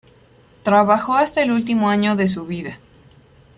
Trabajó hasta el último año de su vida.